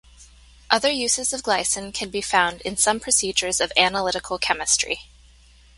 Other uses of glycin can be found in some procedures of analytical chemistry.